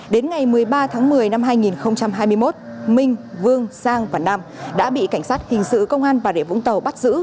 đến ngày một mươi ba tháng một mươi năm hai nghìn hai mươi một minh vương sang và nam đã bị cảnh sát hình sự công an bà địa vũng tàu bắt giữ